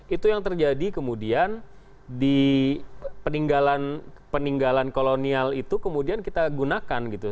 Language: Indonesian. itu yang terjadi kemudian di peninggalan kolonial itu kemudian kita gunakan gitu